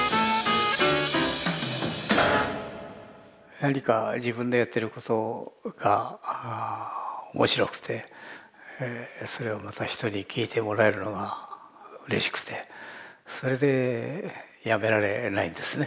何か自分のやってることが面白くてそれをまた人に聴いてもらえるのがうれしくてそれでやめられないんですね。